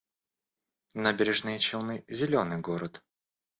Набережные Челны — зелёный город